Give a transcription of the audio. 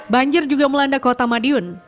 banjir juga melanda kota madiun